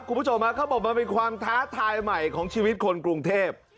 คุณผู้ชมเขาบอกมันเป็นความท้าทายใหม่ของชีวิตคนกรุงเทพ